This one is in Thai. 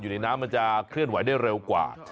อยู่ในน้ำมันจะเคลื่อนไหวได้เร็วกว่า